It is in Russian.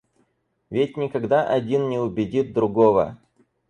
Ведь никогда один не убедит другого.